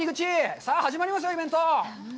さあ、始まりますよ、イベント。